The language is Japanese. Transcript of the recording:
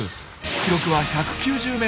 記録は１９０ｍ。